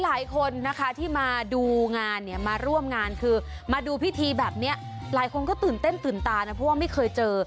หลายคนนะคะที่มาดูงานเนี่ยมาร่วมงานคือมาดูพิธีแบบนี้หลายคนก็ตื่นเต้นตื่นตานะเพราะว่าไม่เคยเจอ